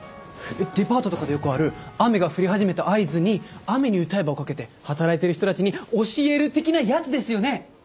デパートとかでよくある雨が降り始めた合図に『雨に唄えば』をかけて働いてる人たちに教える的なやつですよね？